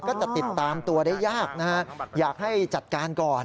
ก็จะติดตามตัวได้ยากนะฮะอยากให้จัดการก่อน